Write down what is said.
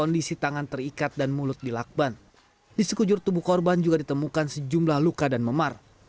di kujur tubuh korban juga ditemukan sejumlah luka dan memar